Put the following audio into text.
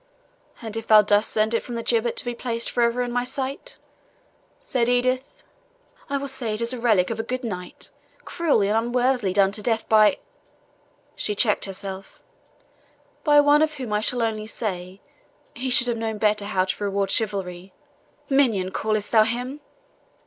"And if thou dost send it from the gibbet to be placed for ever in my sight," said Edith, "I will say it is a relic of a good knight, cruelly and unworthily done to death by" (she checked herself) "by one of whom I shall only say, he should have known better how to reward chivalry. Minion callest thou him?"